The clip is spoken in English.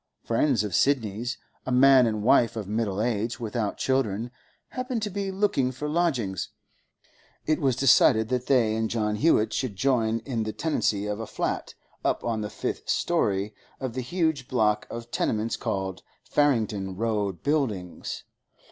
Friends of Sidney's, a man and wife of middle age without children, happened to be looking for lodgings: it was decided that they and John Hewett should join in the tenancy of a flat, up on the fifth storey of the huge block of tenements called Farringdon Road Buildings.